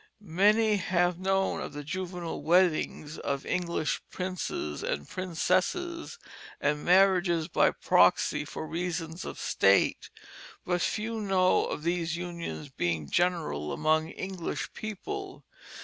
Many have known of the juvenile weddings of English princes and princesses and marriages by proxy for reasons of state; but few know of these unions being general among English people.